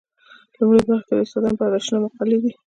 لومړۍ برخه کې د استاد برداشتونه او مقالې دي.